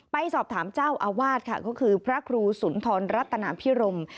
ไปสอบถามเจ้าอาวาสค่ะก็คือพระครูสุนทรรัตนาพิรม